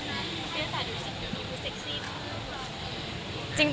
พี่รู้สึกว่าดูสิ่งที่ดูเซ็กซี่นะ